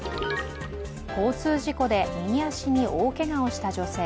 交通事故で右足に大けがをした女性。